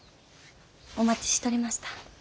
お待ちしとりました。